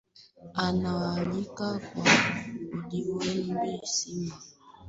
Ana uhakika kuwa alimwona simba